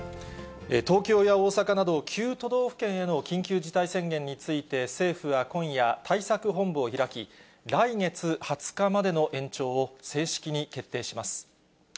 東京や大阪など９都道府県への緊急事態宣言について、政府は今夜、対策本部を開き、来月２０日までの延長を正式に決定します。